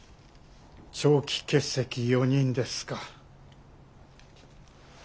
長期欠席４人ですか。